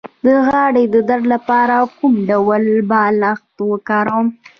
د غاړې د درد لپاره کوم ډول بالښت وکاروم؟